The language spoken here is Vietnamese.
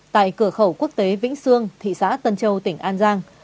tại cửa khẩu quốc tế vĩnh sương thị xã tân châu tỉnh an giang